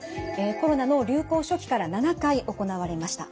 コロナの流行初期から７回行われました。